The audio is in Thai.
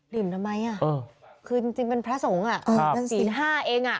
ทำไมอ่ะคือจริงเป็นพระสงฆ์อ่ะศีล๕เองอ่ะ